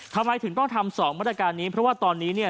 ทำไมถึงต้องทำ๒มาตรการนี้เพราะว่าตอนนี้เนี่ย